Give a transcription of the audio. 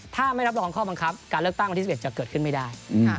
ถ้าไม่รับรองข้อบังคับการเลือกตั้งวันที่๑๑จะเกิดขึ้นไม่ได้